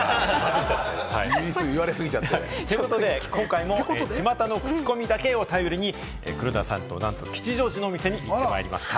ということで、今回も巷のクチコミだけを頼りに黒田さんと吉祥寺のお店に行ってきました。